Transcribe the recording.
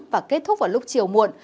và kết thúc vào lúc chiều muộn